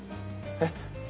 えっ？